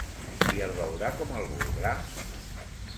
I el veurà com el voldrà?